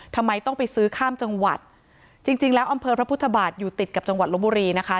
ทำไมต้องไปซื้อข้ามจังหวัดจริงจริงแล้วอำเภอพระพุทธบาทอยู่ติดกับจังหวัดลบบุรีนะคะ